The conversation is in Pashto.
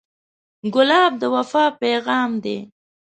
ګلاب د وفا پیغام دی.